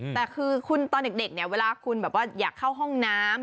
แต่คือคุณตอนเด็กเนี่ยเวลาคุณแบบว่าอยากเข้าห้องน้ำ